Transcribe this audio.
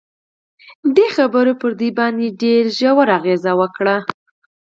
دې خبرو پر دوی باندې ډېر ژور اغېز وکړ